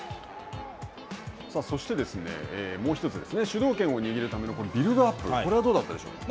そして、もうひとつですね、主導権を握るためのビルドアップはどうだったでしょうか。